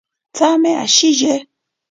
Tsame ashiye.